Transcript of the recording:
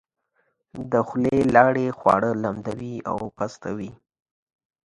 د خولې لاړې خواړه لمدوي او پستوي.